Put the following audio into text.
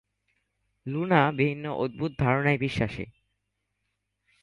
Luna বিভিন্ন অদ্ভুত ধারণায় বিশ্বাসী।